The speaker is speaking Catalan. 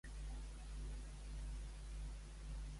Què li imposa anar-hi?